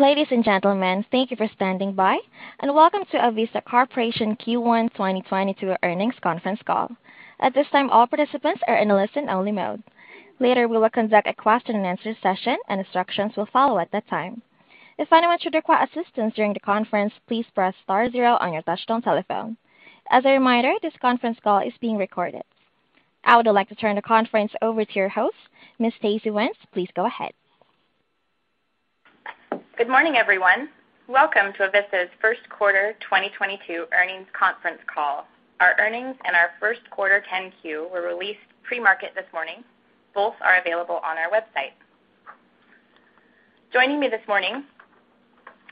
Ladies and gentlemen, thank you for standing by, and welcome to Avista Corporation Q1 2022 Earnings Conference Call. At this time, all participants are in a listen-only mode. Later, we will conduct a question-and-answer session and instructions will follow at that time. If anyone should require assistance during the conference, please press star zero on your touchtone telephone. As a reminder, this conference call is being recorded. I would like to turn the conference over to your host, Ms. Stacey Wenz. Please go ahead. Good morning, everyone. Welcome to Avista's First Quarter 2022 Earnings Conference Call. Our earnings and our first quarter 10-Q were released pre-market this morning. Both are available on our website. Joining me this morning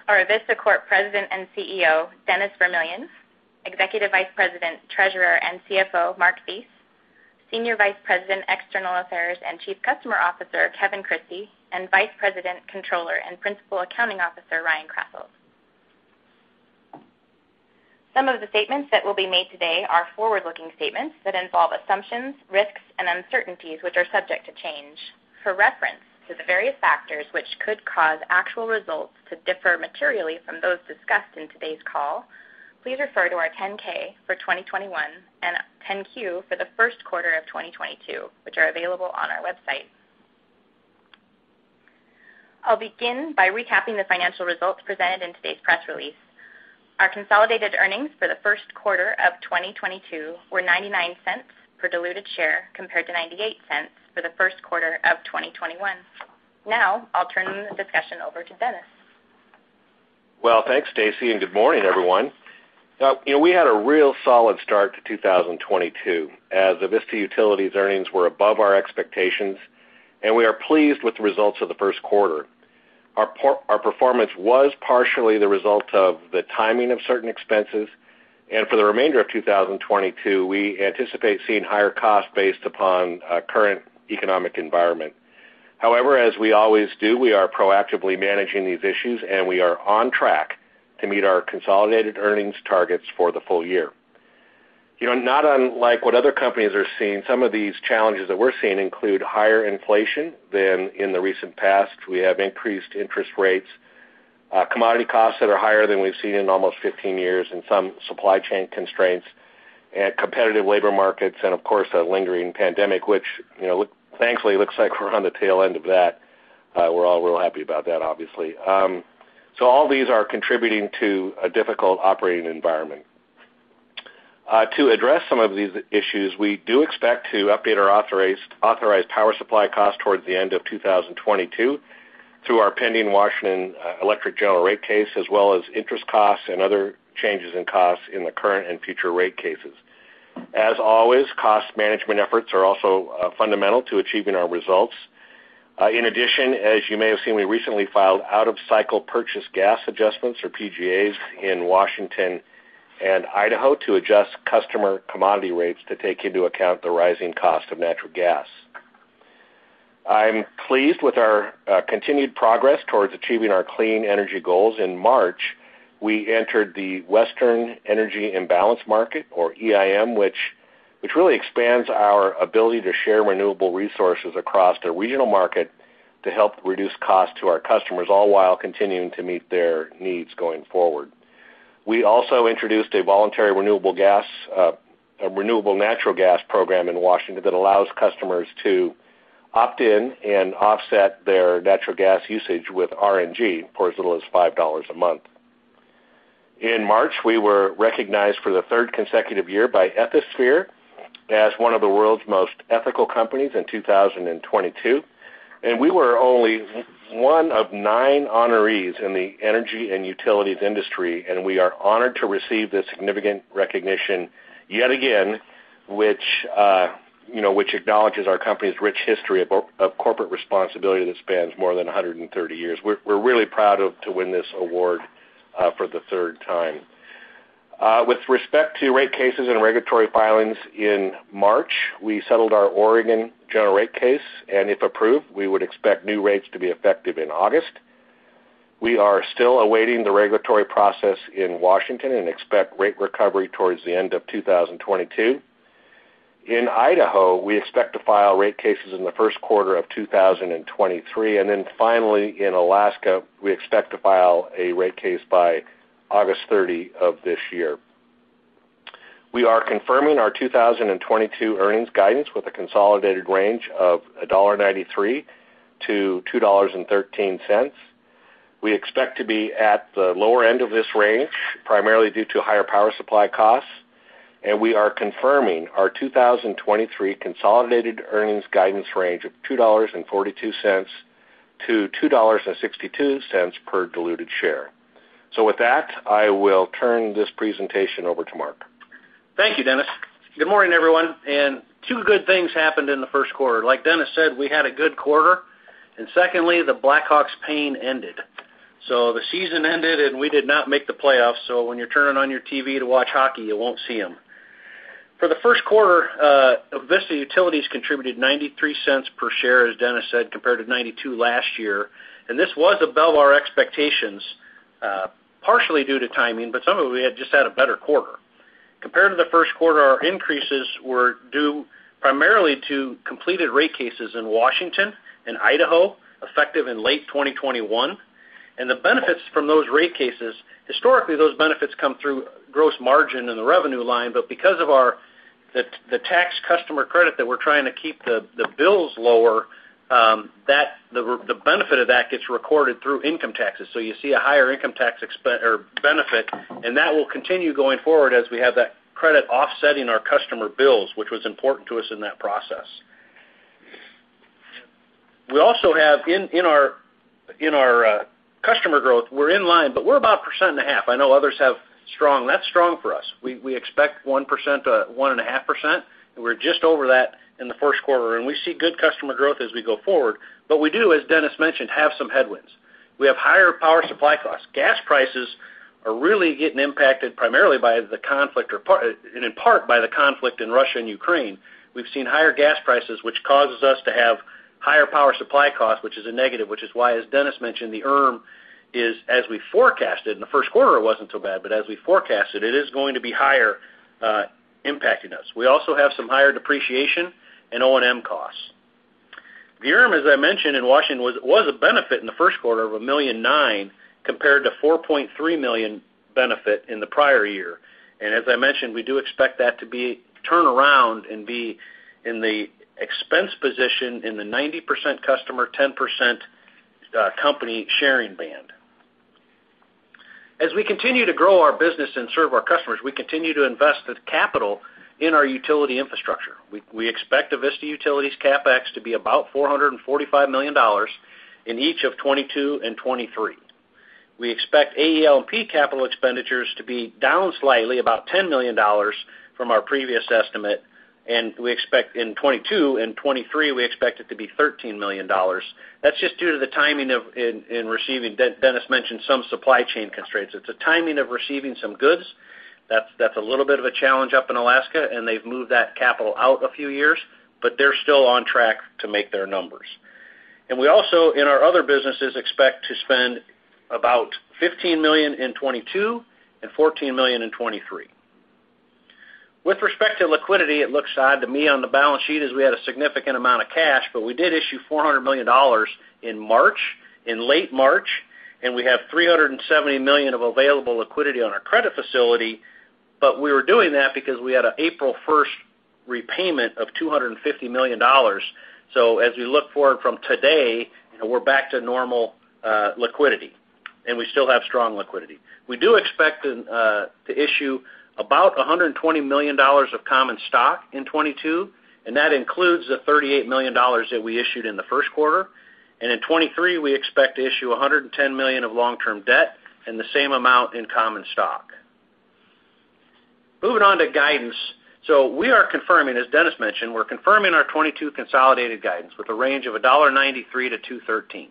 are Avista Corp President and CEO, Dennis Vermillion, Executive Vice President, Treasurer, and CFO, Mark Thies, Senior Vice President, External Affairs and Chief Customer Officer, Kevin Christie, and Vice President, Controller, and Principal Accounting Officer, Ryan Krasselt. Some of the statements that will be made today are forward-looking statements that involve assumptions, risks, and uncertainties which are subject to change. For reference to the various factors which could cause actual results to differ materially from those discussed in today's call, please refer to our 10-K for 2021 and 10-Q for the first quarter of 2022, which are available on our website. I'll begin by recapping the financial results presented in today's press release. Our consolidated earnings for the first quarter of 2022 were $0.99 per diluted share compared to $0.98 for the first quarter of 2021. Now, I'll turn the discussion over to Dennis. Well, thanks, Stacey, and good morning, everyone. You know, we had a real solid start to 2022 as Avista Utilities earnings were above our expectations, and we are pleased with the results of the first quarter. Our performance was partially the result of the timing of certain expenses, and for the remainder of 2022, we anticipate seeing higher costs based upon current economic environment. However, as we always do, we are proactively managing these issues, and we are on track to meet our consolidated earnings targets for the full year. You know, not unlike what other companies are seeing, some of these challenges that we're seeing include higher inflation than in the recent past. We have increased interest rates, commodity costs that are higher than we've seen in almost 15 years, and some supply chain constraints and competitive labor markets, and of course, a lingering pandemic which, you know, thankfully looks like we're on the tail end of that. We're all real happy about that, obviously. All these are contributing to a difficult operating environment. To address some of these issues, we do expect to update our authorized power supply cost towards the end of 2022 through our pending Washington Electric General Rate Case, as well as interest costs and other changes in costs in the current and future rate cases. As always, cost management efforts are also fundamental to achieving our results. In addition, as you may have seen, we recently filed out-of-cycle purchase gas adjustments, or PGAs, in Washington and Idaho to adjust customer commodity rates to take into account the rising cost of natural gas. I'm pleased with our continued progress towards achieving our clean energy goals. In March, we entered the Western Energy Imbalance Market, or EIM, which really expands our ability to share renewable resources across the regional market to help reduce costs to our customers all while continuing to meet their needs going forward. We also introduced a voluntary renewable natural gas program in Washington that allows customers to opt in and offset their natural gas usage with RNG for as little as $5 a month. In March, we were recognized for the third consecutive year by Ethisphere as one of the world's most ethical companies in 2022. We were only one of nine honorees in the energy and utilities industry, and we are honored to receive this significant recognition yet again, which acknowledges our company's rich history of corporate responsibility that spans more than 130 years. We're really proud to win this award for the third time. With respect to rate cases and regulatory filings in March, we settled our Oregon general rate case, and if approved, we would expect new rates to be effective in August. We are still awaiting the regulatory process in Washington and expect rate recovery towards the end of 2022. In Idaho, we expect to file rate cases in the first quarter of 2023. Then finally, in Alaska, we expect to file a rate case by August 30 of this year. We are confirming our 2022 earnings guidance with a consolidated range of $1.93-$2.13. We expect to be at the lower end of this range, primarily due to higher power supply costs, and we are confirming our 2023 consolidated earnings guidance range of $2.42-$2.62 per diluted share. With that, I will turn this presentation over to Mark. Thank you, Dennis. Good morning, everyone. Two good things happened in the first quarter. Like Dennis said, we had a good quarter, and secondly, the Blackhawks' pain ended. The season ended, and we did not make the playoffs, so when you're turning on your TV to watch hockey, you won't see them. For the first quarter, Avista Utilities contributed $0.93 per share, as Dennis said, compared to $0.92 last year. This was above our expectations, partially due to timing, but some of it we just had a better quarter. Compared to the first quarter, our increases were due primarily to completed rate cases in Washington and Idaho, effective in late 2021. The benefits from those rate cases, historically, those benefits come through gross margin in the revenue line. Because of our the tax customer credit that we're trying to keep the bills lower, that the benefit of that gets recorded through income taxes. So you see a higher income tax benefit, and that will continue going forward as we have that credit offsetting our customer bills, which was important to us in that process. We also have in our customer growth, we're in line, but we're about 1.5%. I know others have strong. That's strong for us. We expect 1%, 1.5%. We're just over that in the first quarter, and we see good customer growth as we go forward. We do, as Dennis mentioned, have some headwinds. We have higher power supply costs. Gas prices are really getting impacted primarily by the conflict, and in part by the conflict in Russia and Ukraine. We've seen higher gas prices, which causes us to have higher power supply costs, which is a negative, which is why, as Dennis mentioned, the ERM is as we forecasted. In the first quarter, it wasn't so bad. As we forecasted, it is going to be higher, impacting us. We also have some higher depreciation and O&M costs. The ERM, as I mentioned in Washington, was a benefit in the first quarter of $1.9 million compared to $4.3 million benefit in the prior year. As I mentioned, we do expect that to be turned around and be in the expense position in the 90% customer, 10% company sharing band. As we continue to grow our business and serve our customers, we continue to invest the capital in our utility infrastructure. We expect Avista Utilities CapEx to be about $445 million in each of 2022 and 2023. We expect AEL&P capital expenditures to be down slightly about $10 million from our previous estimate, and we expect in 2022. In 2023, we expect it to be $13 million. That's just due to the timing of receiving. Dennis mentioned some supply chain constraints. It's the timing of receiving some goods. That's a little bit of a challenge up in Alaska, and they've moved that capital out a few years, but they're still on track to make their numbers. We also in our other businesses expect to spend about $15 million in 2022 and $14 million in 2023. With respect to liquidity, it looks odd to me on the balance sheet as we had a significant amount of cash, but we did issue $400 million in March, in late March, and we have $370 million of available liquidity on our credit facility, but we were doing that because we had an April first repayment of $250 million. As we look forward from today, we're back to normal liquidity, and we still have strong liquidity. We do expect to issue about $120 million of common stock in 2022, and that includes the $38 million that we issued in the first quarter. In 2023, we expect to issue $110 million of long-term debt and the same amount in common stock. Moving on to guidance. We are confirming, as Dennis mentioned, we're confirming our 2022 consolidated guidance with a range of $1.93-$2.13.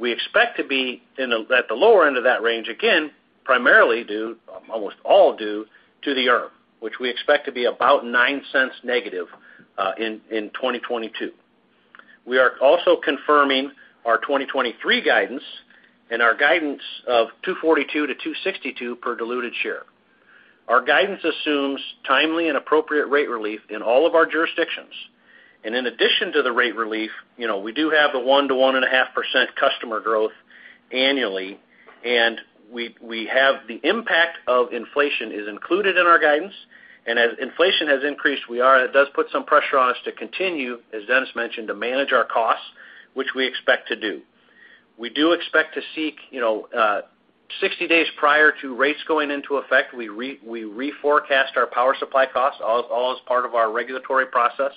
We expect to be at the lower end of that range, again, primarily due, almost all due to the ERM, which we expect to be about $0.09 negative in 2022. We are also confirming our 2023 guidance and our guidance of $2.42-$2.62 per diluted share. Our guidance assumes timely and appropriate rate relief in all of our jurisdictions. In addition to the rate relief, you know, we do have the 1%-1.5% customer growth annually, and we have the impact of inflation is included in our guidance. As inflation has increased, it does put some pressure on us to continue, as Dennis mentioned, to manage our costs, which we expect to do. We do expect to seek, you know, 60 days prior to rates going into effect. We reforecast our power supply costs all as part of our regulatory process.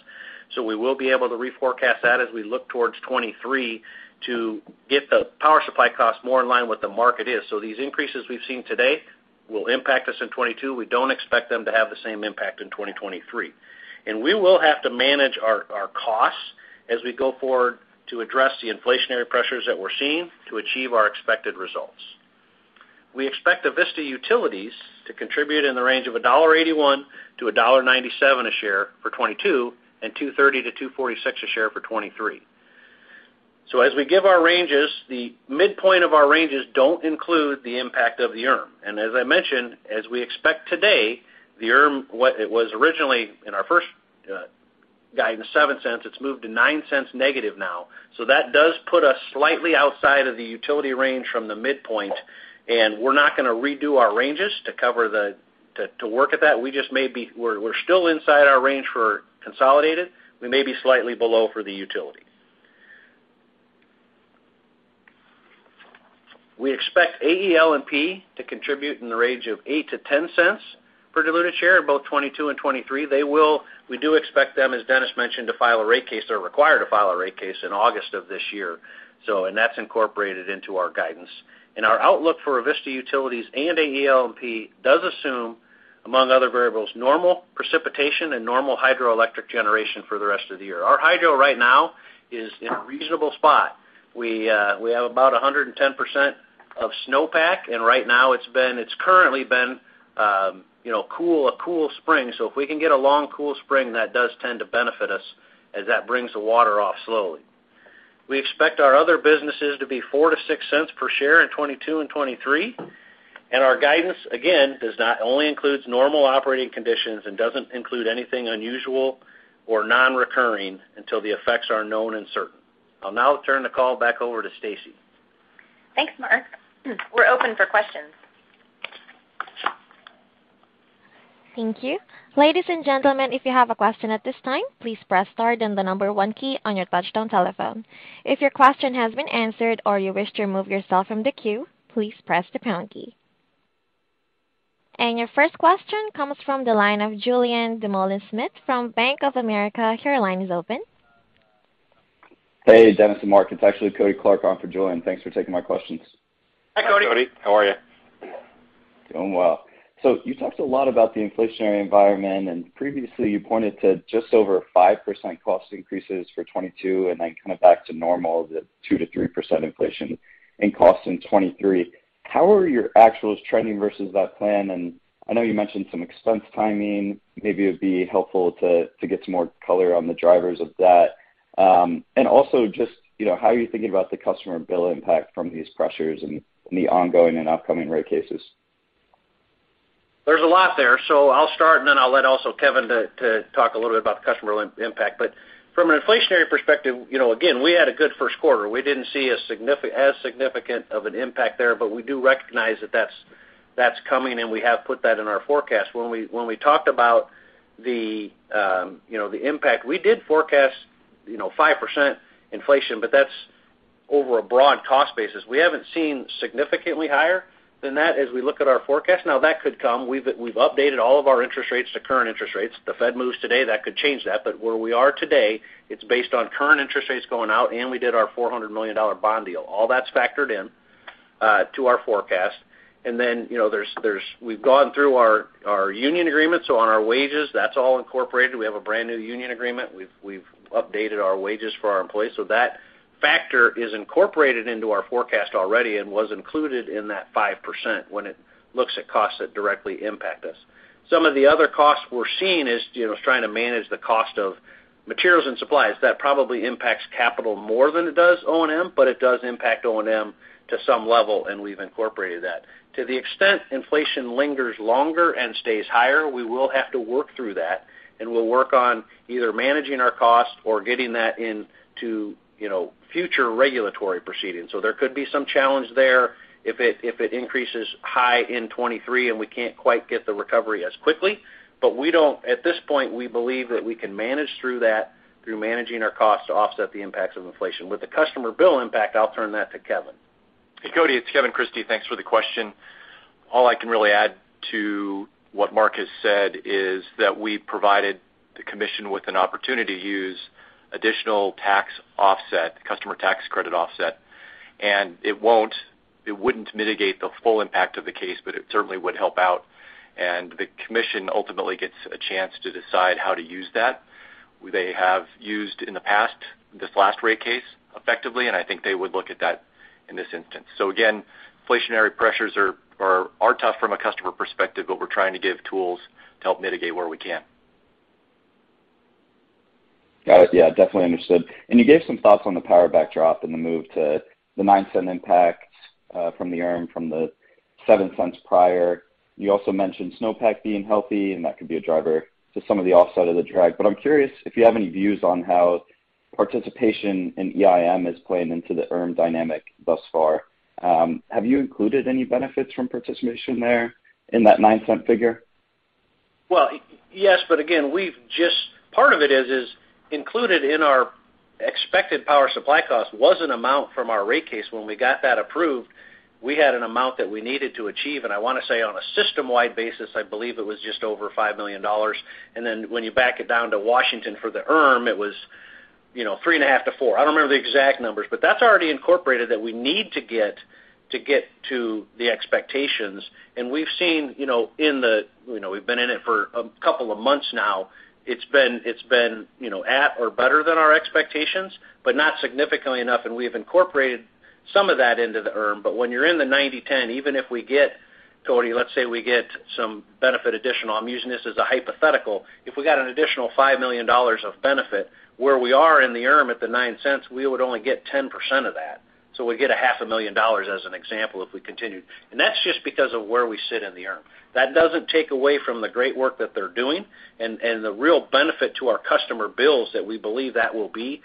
We will be able to reforecast that as we look towards 2023 to get the power supply costs more in line with the markets. These increases we've seen today will impact us in 2022. We don't expect them to have the same impact in 2023. We will have to manage our costs as we go forward to address the inflationary pressures that we're seeing to achieve our expected results. We expect Avista Utilities to contribute in the range of $1.81-$1.97 a share for 2022 and $2.30-$2.46 a share for 2023. As we give our ranges, the midpoint of our ranges don't include the impact of the ERM. As I mentioned, as we expect today, the ERM, what it was originally in our first guidance, $0.07, it's moved to $0.09 negative now. That does put us slightly outside of the utility range from the midpoint, and we're not gonna redo our ranges to cover that. We're still inside our range for consolidated. We may be slightly below for the utility. We expect AEL&P to contribute in the range of $0.08-$0.10 per diluted share, both 2022 and 2023. We do expect them, as Dennis mentioned, to file a rate case. They're required to file a rate case in August of this year. That's incorporated into our guidance. Our outlook for Avista Utilities and AEL&P does assume, among other variables, normal precipitation and normal hydroelectric generation for the rest of the year. Our hydro right now is in a reasonable spot. We have about 110% of snowpack, and right now it's currently been cool, a cool spring. If we can get a long, cool spring, that does tend to benefit us as that brings the water off slowly. We expect our other businesses to be $0.04-$0.06 per share in 2022 and 2023. Our guidance, again, only includes normal operating conditions and doesn't include anything unusual or non-recurring until the effects are known and certain. I'll now turn the call back over to Stacey. Thanks, Mark. We're open for questions. Thank you. Ladies and gentlemen, if you have a question at this time, please press star then the number one key on your touchtone telephone. If your question has been answered or you wish to remove yourself from the queue, please press the pound key. Your first question comes from the line of Julien Dumoulin-Smith from Bank of America. Your line is open. Hey, Dennis and Mark. It's actually Kody Clark on for Julien. Thanks for taking my questions. Hi, Kody. Kody, how are you? Doing well. You talked a lot about the inflationary environment, and previously you pointed to just over 5% cost increases for 2022, and then kind of back to normal, the 2%-3% inflation in cost in 2023. How are your actuals trending versus that plan? I know you mentioned some expense timing. Maybe it would be helpful to get some more color on the drivers of that. Also just, you know, how are you thinking about the customer bill impact from these pressures in the ongoing and upcoming rate cases? There's a lot there, so I'll start and then I'll let also Kevin to talk a little bit about the customer impact. From an inflationary perspective, you know, again, we had a good first quarter. We didn't see as significant of an impact there, but we do recognize that that's coming, and we have put that in our forecast. When we talked about the, you know, the impact, we did forecast, you know, 5% inflation, but that's over a broad cost basis. We haven't seen significantly higher than that as we look at our forecast. Now that could come. We've updated all of our interest rates to current interest rates. The Fed moves today. That could change that. Where we are today, it's based on current interest rates going out, and we did our $400 million bond deal. All that's factored in to our forecast. Then, you know, we've gone through our union agreements on our wages. That's all incorporated. We have a brand-new union agreement. We've updated our wages for our employees. That factor is incorporated into our forecast already and was included in that 5% when it looks at costs that directly impact us. Some of the other costs we're seeing is, you know, trying to manage the cost of materials and supplies. That probably impacts capital more than it does O&M, but it does impact O&M to some level, and we've incorporated that. To the extent inflation lingers longer and stays higher, we will have to work through that, and we'll work on either managing our costs or getting that into, you know, future regulatory proceedings. There could be some challenge there if it increases high in 2023 and we can't quite get the recovery as quickly. At this point, we believe that we can manage through that through managing our costs to offset the impacts of inflation. With the customer bill impact, I'll turn that to Kevin. Hey, Kody, it's Kevin Christie. Thanks for the question. All I can really add to what Mark has said is that we provided the commission with an opportunity to use additional tax offset, customer tax credit offset. It wouldn't mitigate the full impact of the case, but it certainly would help out. The commission ultimately gets a chance to decide how to use that. They have used in the past, this last rate case effectively, and I think they would look at that in this instance. Again, inflationary pressures are tough from a customer perspective, but we're trying to give tools to help mitigate where we can. Got it. Yeah, definitely understood. You gave some thoughts on the power backdrop and the move to the $0.09 impact from the ERM from the $0.07 prior. You also mentioned Snowpack being healthy, and that could be a driver to some of the offset of the drag. I'm curious if you have any views on how participation in EIM is playing into the ERM dynamic thus far. Have you included any benefits from participation there in that $0.09 figure? Well, yes, but again, part of it is included in our expected power supply cost was an amount from our rate case. When we got that approved, we had an amount that we needed to achieve. I wanna say on a system-wide basis, I believe it was just over $5 million. Then when you back it down to Washington for the ERM, it was, you know, $3.5 million-$4 million. I don't remember the exact numbers, but that's already incorporated that we need to get to the expectations. We've seen, you know, in the, you know, we've been in it for a couple of months now. It's been, you know, at or better than our expectations, but not significantly enough, and we've incorporated some of that into the ERM. When you're in the 90/10, even if we get, Cody, let's say we get some benefit additional, I'm using this as a hypothetical, if we got an additional $5 million of benefit where we are in the ERM at the $0.09, we would only get 10% of that. We get a half a million dollars as an example if we continued. That's just because of where we sit in the ERM. That doesn't take away from the great work that they're doing and the real benefit to our customer bills that we believe that will be,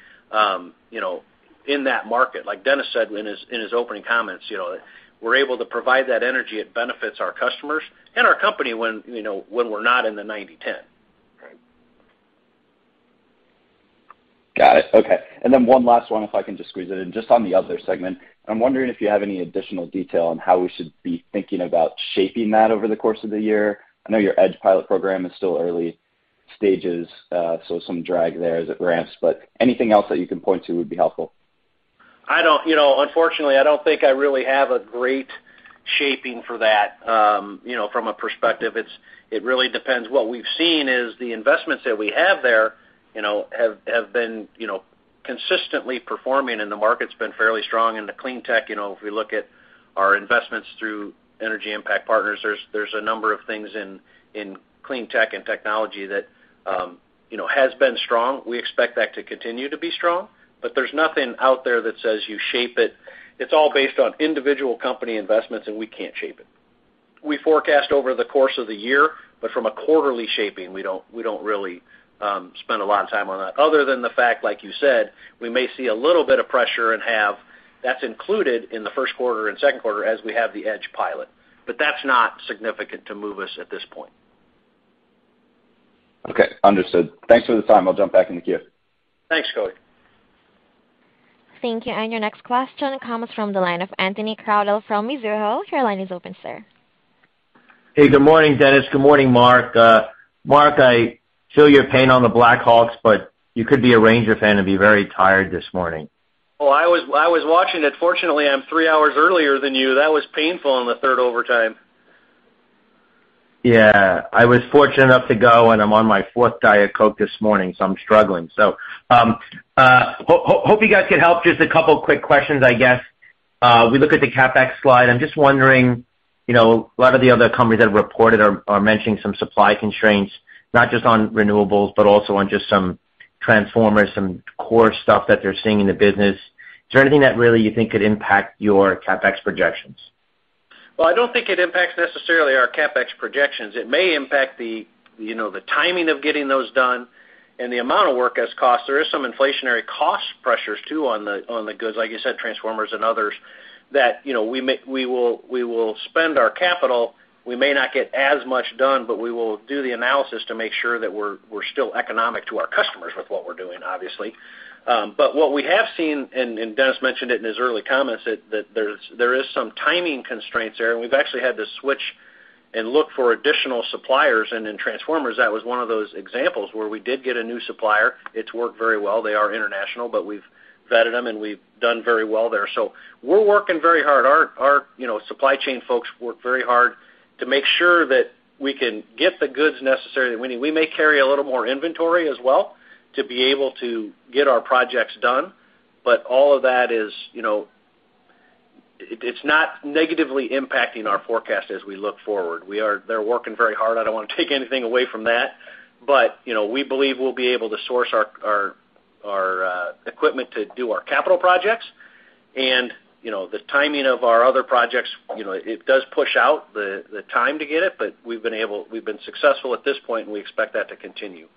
you know, in that market. Like Dennis said in his opening comments, you know, we're able to provide that energy. It benefits our customers and our company when, you know, when we're not in the 90/10. Right. Got it. Okay. One last one, if I can just squeeze it in. Just on the other segment, I'm wondering if you have any additional detail on how we should be thinking about shaping that over the course of the year. I know your Edge pilot program is still early stages, so some drag there as it ramps, but anything else that you can point to would be helpful. You know, unfortunately, I don't think I really have a great shaping for that, you know, from a perspective. It really depends. What we've seen is the investments that we have there, you know, have been, you know, consistently performing, and the market's been fairly strong. In the clean tech, you know, if we look at our investments through Energy Impact Partners, there's a number of things in clean tech and technology that, you know, has been strong. We expect that to continue to be strong, but there's nothing out there that says you shape it. It's all based on individual company investments, and we can't shape it. We forecast over the course of the year, but from a quarterly shaping, we don't really spend a lot of time on that other than the fact, like you said, we may see a little bit of pressure and have that included in the first quarter and second quarter as we have the Edge pilot. That's not significant to move us at this point. Okay. Understood. Thanks for the time. I'll jump back in the queue. Thanks, Kody. Thank you. Your next question comes from the line of Anthony Crowdell from Mizuho. Your line is open, sir. Hey, good morning, Dennis. Good morning, Mark. Mark, I feel your pain on the Blackhawks, but you could be a Rangers fan and be very tired this morning. Well, I was watching it. Fortunately, I'm three hours earlier than you. That was painful in the third overtime. Yeah. I was fortunate enough to go, and I'm on my fourth Diet Coke this morning, so I'm struggling. Hope you guys could help. Just a couple quick questions, I guess. We look at the CapEx slide. I'm just wondering, you know, a lot of the other companies that have reported are mentioning some supply constraints, not just on renewables, but also on just some transformers, some core stuff that they're seeing in the business. Is there anything that really you think could impact your CapEx projections? Well, I don't think it impacts necessarily our CapEx projections. It may impact the, you know, the timing of getting those done and the amount of work as costs. There is some inflationary cost pressures too on the goods, like you said, transformers and others, that, you know, we will spend our capital. We may not get as much done, but we will do the analysis to make sure that we're still economic to our customers with what we're doing, obviously. What we have seen, and Dennis mentioned it in his earlier comments, that there is some timing constraints there, and we've actually had to switch and look for additional suppliers. In transformers, that was one of those examples where we did get a new supplier. It's worked very well. They are international, but we've vetted them, and we've done very well there. We're working very hard. Our you know, supply chain folks work very hard to make sure that we can get the goods necessary that we need. We may carry a little more inventory as well to be able to get our projects done. All of that is, you know. It's not negatively impacting our forecast as we look forward. They're working very hard. I don't wanna take anything away from that. you know, we believe we'll be able to source our equipment to do our capital projects. you know, the timing of our other projects, you know, it does push out the time to get it, but we've been successful at this point, and we expect that to continue.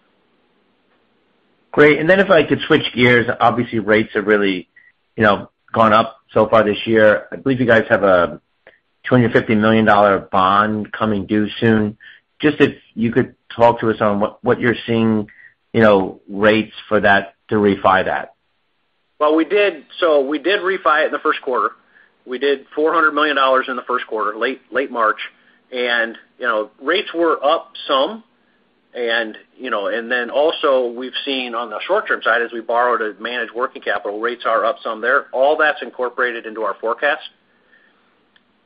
Great. If I could switch gears. Obviously, rates have really, you know, gone up so far this year. I believe you guys have a $250 million bond coming due soon. Just if you could talk to us on what you're seeing, you know, rates for that to refi that. Well, we did. We did refi it in the first quarter. We did $400 million in the first quarter, late March. You know, rates were up some. You know, and then also we've seen on the short-term side, as we borrow to manage working capital, rates are up some there. All that's incorporated into our forecast.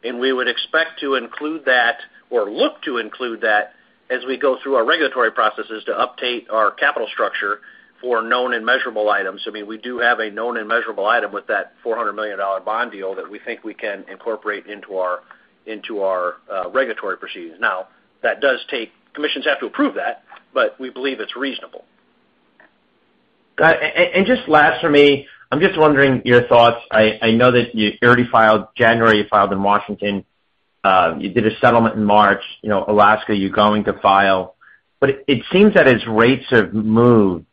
We would expect to include that or look to include that as we go through our regulatory processes to update our capital structure for known and measurable items. I mean, we do have a known and measurable item with that $400 million bond deal that we think we can incorporate into our regulatory proceedings. Now, that does take commissions have to approve that, but we believe it's reasonable. Got it. Just last for me, I'm just wondering your thoughts. I know that you already filed in January, you filed in Washington. You did a settlement in March. You know, Alaska, you're going to file. It seems that as rates have moved,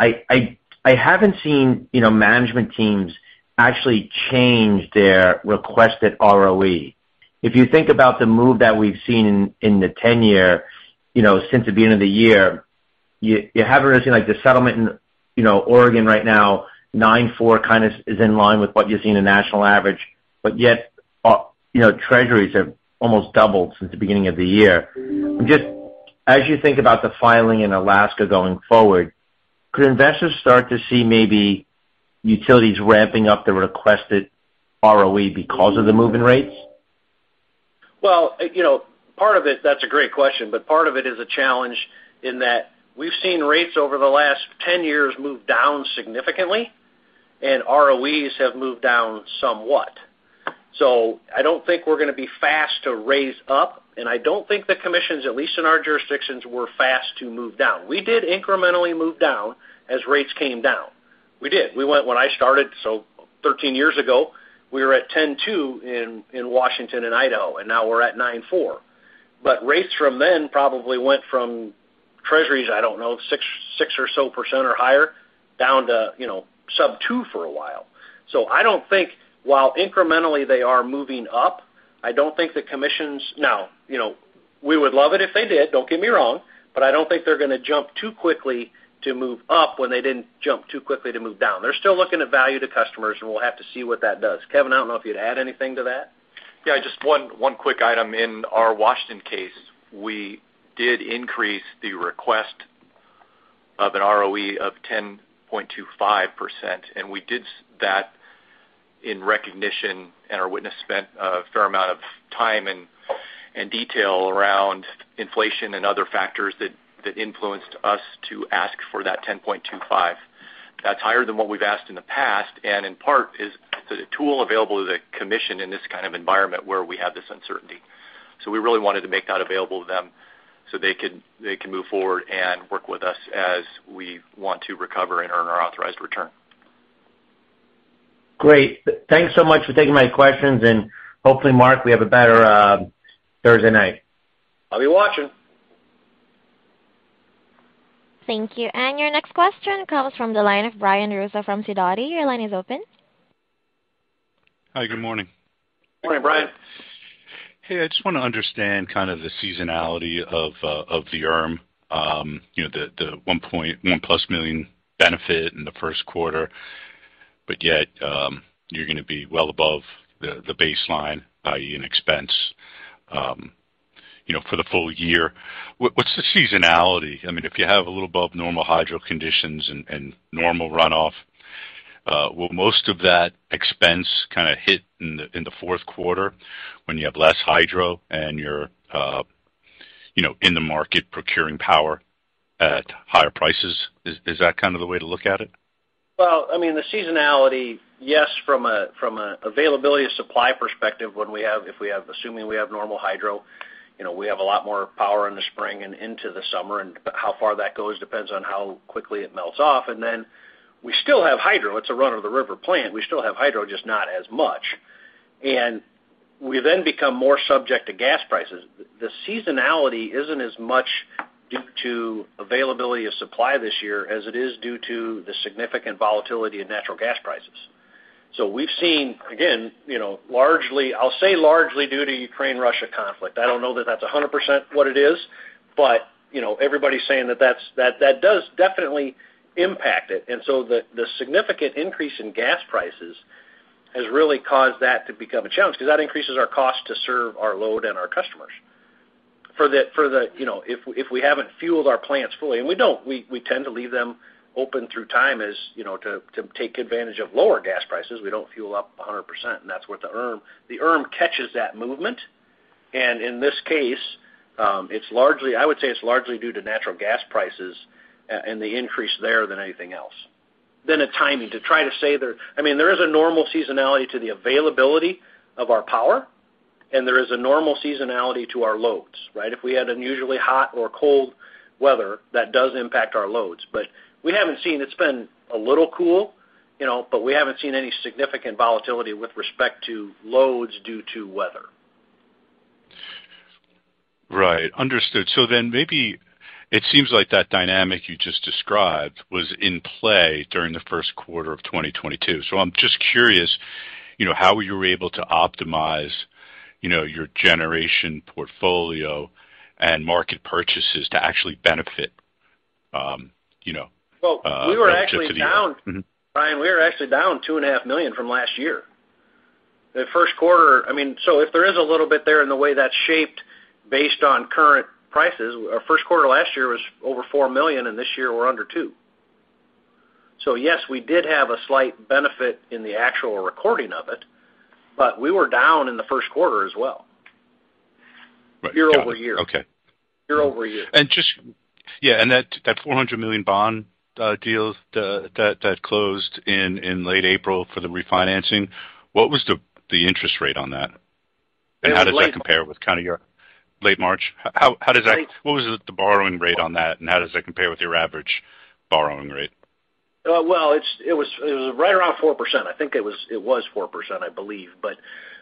I haven't seen, you know, management teams actually change their requested ROE. If you think about the move that we've seen in the 10-year, you know, since the beginning of the year, you have a reason, like the settlement in, you know, Oregon right now, 9.4 kind of is in line with what you're seeing in the national average. Yet, you know, Treasuries have almost doubled since the beginning of the year. Just as you think about the filing in Alaska going forward, could investors start to see maybe utilities ramping up the requested ROE because of the move in rates? Well, you know, part of it, that's a great question, but part of it is a challenge in that we've seen rates over the last 10 years move down significantly, and ROEs have moved down somewhat. I don't think we're gonna be fast to raise up, and I don't think the commissions, at least in our jurisdictions, were fast to move down. We did incrementally move down as rates came down. We did. We went when I started, so 13 years ago, we were at 10.2 in Washington and Idaho, and now we're at 9.4. Rates from then probably went from Treasuries, I don't know, 6% or so or higher down to, you know, sub 2% for a while. I don't think while incrementally they are moving up, I don't think the commissions. Now, you know, we would love it if they did, don't get me wrong, but I don't think they're gonna jump too quickly to move up when they didn't jump too quickly to move down. They're still looking at value to customers, and we'll have to see what that does. Kevin, I don't know if you'd add anything to that. Yeah, just one quick item. In our Washington case, we did increase the request of an ROE of 10.25%, and we did that in recognition, and our witness spent a fair amount of time and detail around inflation and other factors that influenced us to ask for that 10.25. That's higher than what we've asked in the past, and in part is the tool available to the commission in this kind of environment where we have this uncertainty. We really wanted to make that available to them so they can move forward and work with us as we want to recover and earn our authorized return. Great. Thanks so much for taking my questions. Hopefully, Mark, we have a better Thursday night. I'll be watching. Thank you. Your next question comes from the line of Brian Russo from Sidoti. Your line is open. Hi, good morning. Morning, Brian. Hey, I just wanna understand kind of the seasonality of the ERM. You know, the $1+ million benefit in the first quarter. But yet, you're gonna be well above the baseline, i.e. in expense, you know, for the full year. What's the seasonality? I mean, if you have a little above normal hydro conditions and normal runoff, will most of that expense kinda hit in the fourth quarter when you have less hydro and you're in the market procuring power at higher prices? Is that kind of the way to look at it? Well, I mean, the seasonality, yes, from a availability of supply perspective, assuming we have normal hydro, you know, we have a lot more power in the spring and into the summer. How far that goes depends on how quickly it melts off. Then we still have hydro. It's a run-of-the-river plant. We still have hydro, just not as much. We then become more subject to gas prices. The seasonality isn't as much due to availability of supply this year as it is due to the significant volatility in natural gas prices. We've seen, again, you know, largely, I'll say largely due to Ukraine-Russia conflict. I don't know that that's 100% what it is, but, you know, everybody's saying that that's, that that does definitely impact it. The significant increase in gas prices has really caused that to become a challenge because that increases our cost to serve our load and our customers. For the, you know, if we haven't fueled our plants fully, and we don't, we tend to leave them open through time as, you know, to take advantage of lower gas prices. We don't fuel up 100%, and that's what the ERM. The ERM catches that movement. In this case, it's largely, I would say it's largely due to natural gas prices and the increase there than anything else. Than a timing. To try to say there I mean, there is a normal seasonality to the availability of our power, and there is a normal seasonality to our loads, right? If we had unusually hot or cold weather, that does impact our loads. We haven't seen. It's been a little cool, you know, but we haven't seen any significant volatility with respect to loads due to weather. Right. Understood. Maybe it seems like that dynamic you just described was in play during the first quarter of 2022. I'm just curious, you know, how you were able to optimize, you know, your generation portfolio and market purchases to actually benefit. Well, we were actually down. Mm-hmm. Brian, we were actually down $2.5 million from last year. The first quarter, I mean, if there is a little bit there in the way that's shaped based on current prices, our first quarter last year was over $4 million, and this year we're under $2 million. Yes, we did have a slight benefit in the actual recording of it, but we were down in the first quarter as well. Right. Got it. Year-over-year. Okay. Year-over-year. That $400 million bond deal that closed in late April for the refinancing, what was the interest rate on that? It was late. How does that compare with kind of your late March? I think. What was the borrowing rate on that, and how does that compare with your average borrowing rate? Well, it was right around 4%. I think it was 4%, I believe.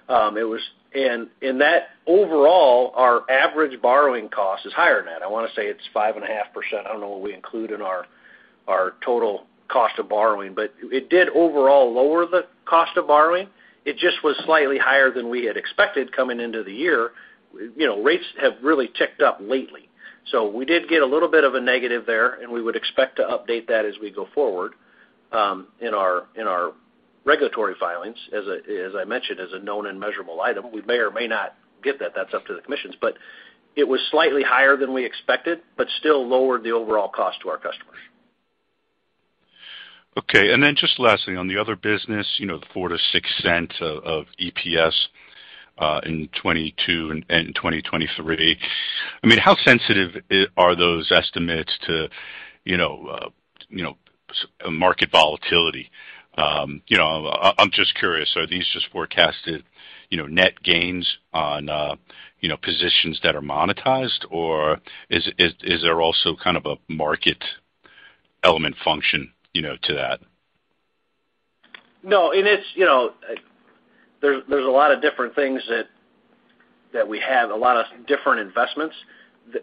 That overall our average borrowing cost is higher than that. I wanna say it's 5.5%. I don't know what we include in our total cost of borrowing. It did overall lower the cost of borrowing. It just was slightly higher than we had expected coming into the year. You know, rates have really ticked up lately. We did get a little bit of a negative there, and we would expect to update that as we go forward in our regulatory filings, as I mentioned, as a known and measurable item. We may or may not get that. That's up to the commissions. It was slightly higher than we expected, but still lowered the overall cost to our customers. Okay. Just lastly, on the other business, you know, the $0.04-$0.06 of EPS in 2022 and in 2023, I mean, how sensitive are those estimates to, you know, market volatility? You know, I'm just curious, are these just forecasted, you know, net gains on, you know, positions that are monetized, or is there also kind of a market element function, you know, to that? No. It's, you know. There's a lot of different things that we have, a lot of different investments.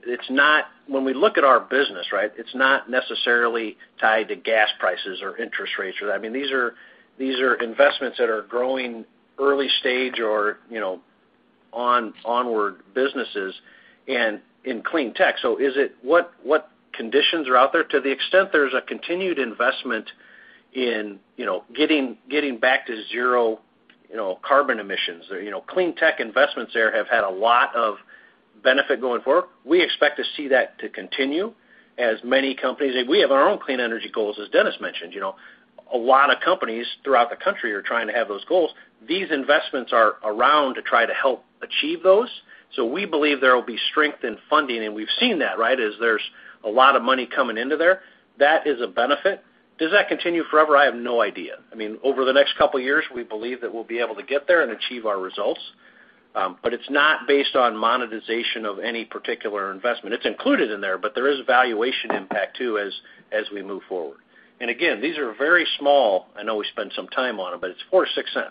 It's not. When we look at our business, right, it's not necessarily tied to gas prices or interest rates or that. I mean, these are investments that are growing early stage or, you know, onward businesses and in clean tech. Is it what conditions are out there? To the extent there's a continued investment in, you know, getting back to zero, you know, carbon emissions. You know, clean tech investments there have had a lot of benefit going forward. We expect to see that to continue as many companies. We have our own clean energy goals, as Dennis mentioned. You know, a lot of companies throughout the country are trying to have those goals. These investments are around to try to help achieve those. We believe there will be strength in funding, and we've seen that, right? There's a lot of money coming into there. That is a benefit. Does that continue forever? I have no idea. I mean, over the next couple years, we believe that we'll be able to get there and achieve our results. But it's not based on monetization of any particular investment. It's included in there, but there is valuation impact too as we move forward. Again, these are very small. I know we spent some time on them, but it's $0.04-$0.06.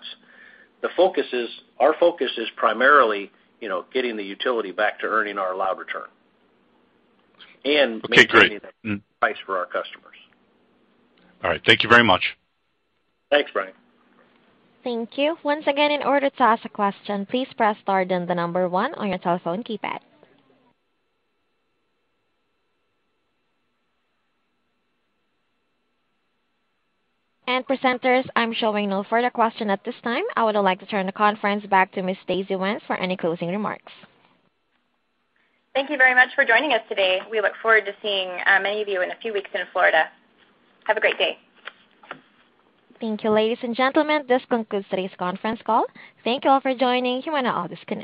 The focus is primarily, you know, getting the utility back to earning our allowed return and. Okay, great. Maintaining the price for our customers. All right. Thank you very much. Thanks, Brian. Thank you. Once again, in order to ask a question, please press star then the number one on your telephone keypad. Presenters, I'm showing no further question at this time. I would like to turn the conference back to Ms. Stacey Wenz for any closing remarks. Thank you very much for joining us today. We look forward to seeing many of you in a few weeks in Florida. Have a great day. Thank you, ladies and gentlemen. This concludes today's conference call. Thank you all for joining. You may now disconnect.